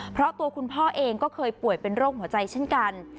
เพราะตัวคุณพ่อเองก็เคยป่วยเป็นโรคหัวใจเช่นกัน